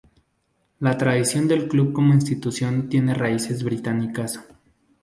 La tradición del club como institución tiene raíces británicas.